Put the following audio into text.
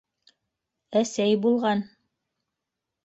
Әсәй булған.